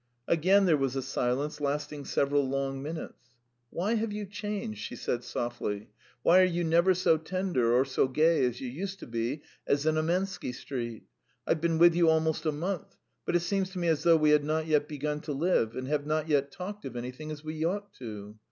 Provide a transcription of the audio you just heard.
..." Again there was a silence lasting several long minutes. "Why have you changed?" she said softly. "Why are you never so tender or so gay as you used to be at Znamensky Street? I've been with you almost a month, but it seems to me as though we had not yet begun to live, and have not yet talked of anything as we ought to.